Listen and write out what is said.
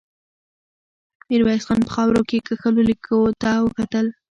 ميرويس خان په خاورو کې کښلو ليکو ته وکتل.